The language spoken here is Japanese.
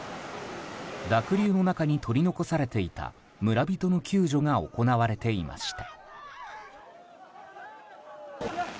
濁流の中に取り残されていた村人の救助が行われていました。